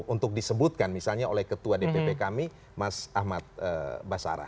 untuk disebutkan misalnya oleh ketua dpp kami mas ahmad basara